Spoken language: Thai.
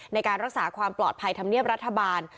ในการรักษาความปลอดภัยธรรมเนียบรัฐบาล